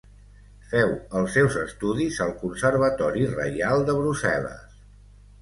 Féu els seus estudis al Conservatori reial de Brussel·les.